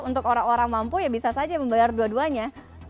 untuk orang orang mampu ya bisa saja membayar dua duanya